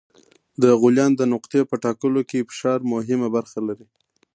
د غلیان د نقطې په ټاکلو کې فشار مهمه برخه لري.